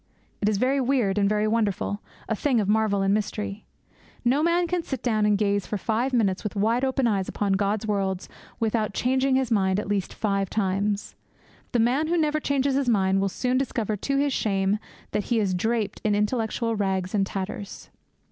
It is very weird and very wonderful, a thing of marvel and of mystery. No man can sit down and gaze for five minutes with wide open eyes upon God's worlds without changing his mind at least five times. The man who never changes his mind will soon discover to his shame that he is draped in intellectual rags and tatters.